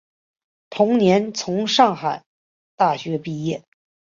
同年从上海大学毕业。